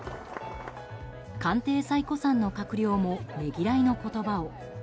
官邸最古参の閣僚もねぎらいの言葉を。